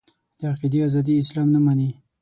د عقیدې ازادي اسلام نه مني.